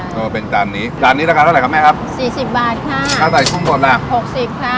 ก็เป็นจานนี้จานนี้ราคาเท่าไหร่ครับแม่ครับสี่สิบบาทค่ะถ้าใส่กุ้งหมดล่ะหกสิบค่ะ